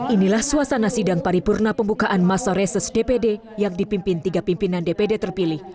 inilah suasana sidang paripurna pembukaan masa reses dpd yang dipimpin tiga pimpinan dpd terpilih